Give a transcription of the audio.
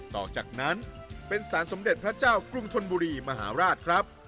ต่อจากนั้นเป็นสารสมเด็จพระเจ้ากรุงธนบุรีมหาราชครับ